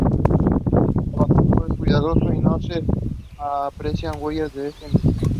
El trabajo fue cuidadoso y no se aprecian huellas de esta intervención.